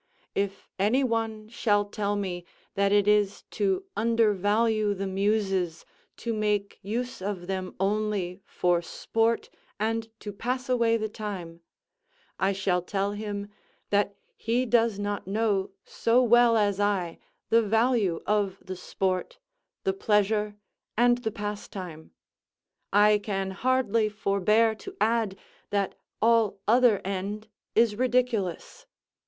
If any one shall tell me that it is to undervalue the Muses to make use of them only for sport and to pass away the time, I shall tell him, that he does not know so well as I the value of the sport, the pleasure, and the pastime; I can hardly forbear to add that all other end is ridiculous.